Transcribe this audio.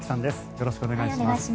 よろしくお願いします。